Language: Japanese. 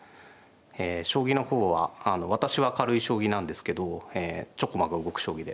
え将棋の方は私は軽い将棋なんですけどちょこまか動く将棋で。